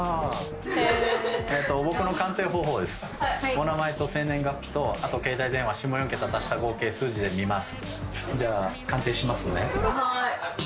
お名前と生年月日と携帯電話下４桁足した合計数字で見ます。